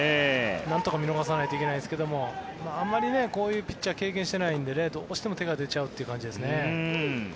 なんとか見逃さないといけないですけどあまりこういうピッチャーは経験してないのでどうしても手が出ちゃうという感じですね。